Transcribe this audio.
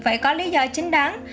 phải có lý do chính đáng